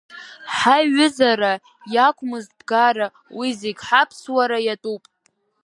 Ҳаиҩызара иақәмыз ԥгара, уи зегь ҳаԥсуара иатәуп.